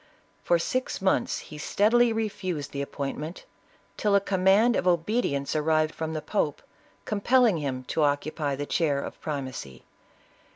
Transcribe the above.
For six months, he steadily refused the appointment, till a command of obedience arrived from the pope, compelling him to occupy the chair of primacy.